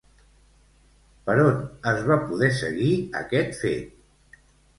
Per on es va poder seguir aquest fet?